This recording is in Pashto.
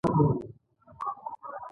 هغه اقتدار او عزت بیرته اعاده کړي.